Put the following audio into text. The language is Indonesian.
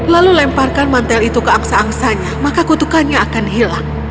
lalu lemparkan mantel itu ke angsa angsanya maka kutukannya akan hilang